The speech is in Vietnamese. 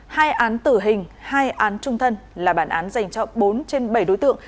hai án tử hình hai án trung thân là bản án dành cho bốn trên bảy đối tượng